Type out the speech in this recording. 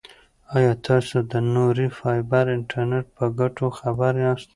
ایا تاسو د نوري فایبر انټرنیټ په ګټو خبر یاست؟